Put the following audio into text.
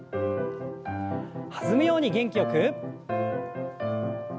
弾むように元気よく。